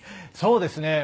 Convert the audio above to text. そうですね。